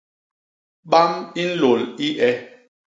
Bam i nlôl i e.